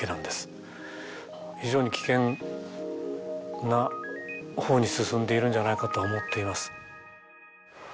非常に危険なほうに進んでいるんじゃないかと思っています。